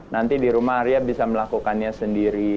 nanti di rumah arya bisa melakukannya sendiri